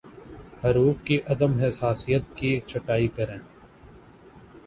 حروف کی عدم حساسیت کی چھٹائی کریں